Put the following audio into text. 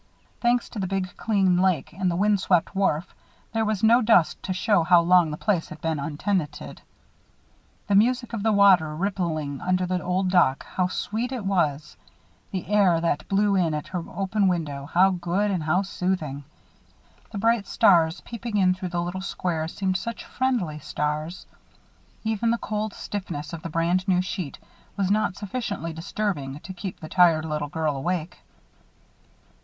Thanks to the big clean lake and the wind swept wharf, there was no dust to show how long the place had been untenanted. The music of the water rippling under the old dock, how sweet it was. The air that blew in at her open window, how good and how soothing. The bright stars peeping in through the little square seemed such friendly stars. Even the cold stiffness of the brand new sheet was not sufficiently disturbing to keep the tired little girl awake.